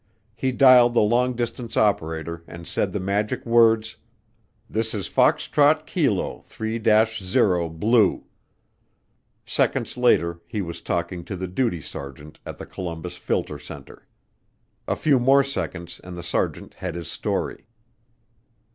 He dialed the long distance operator and said the magic words, "This is Foxtrot Kilo Three Dash Zero Blue." Seconds later he was talking to the duty sergeant at the Columbus Filter Center. A few more seconds and the sergeant had his story.